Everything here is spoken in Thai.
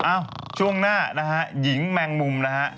ช่วงหน้านะฮะหญิงแมงมุมนะฮะ